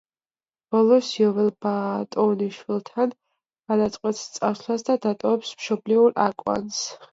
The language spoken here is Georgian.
ბოლოს, იოველ ბატონიშვილთან გადაწყვეტს წასვლას და დატოვებს მშობლიურ აკვანს.